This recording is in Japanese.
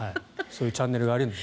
そういうチャンネルがあるので。